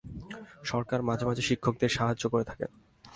সরকার মাঝে মাঝে শিক্ষকদের সাহায্য করে থাকেন।